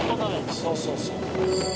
そうそうそう。